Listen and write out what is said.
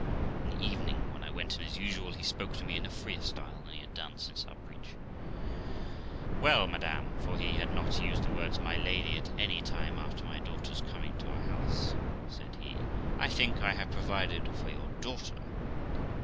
In the evening, when I went in as usual, he spoke to me in a freer style than he had done since our breach. 'Well, madam* (for he had not used the words 'my lady' at any time after my daughter's coming to our house), said he, 'I think I have provided for your daughter.'